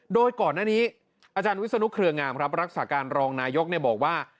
โดยก่อนหน้านี้อาจารย์วิศนุเครืองามครับรักษาการรองนายกบอกว่า